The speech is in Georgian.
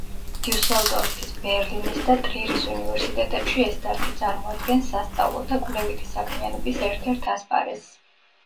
დიუსელდორფის, ბერლინის და ტრირის უნივერსიტეტებში ეს დარგი წარმოადგენს სასწავლო და კვლევითი საქმიანობის ერთ-ერთ ასპარეზს.